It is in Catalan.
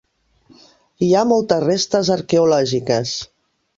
Hi ha moltes restes arqueològiques.